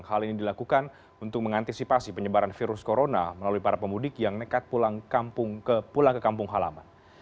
hal ini dilakukan untuk mengantisipasi penyebaran virus corona melalui para pemudik yang nekat pulang ke kampung halaman